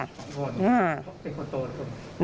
๒คนเป็นคนโตแล้วคุณ